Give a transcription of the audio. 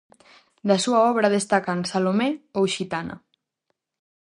Da súa obra destacan "Salomé" ou "Xitana".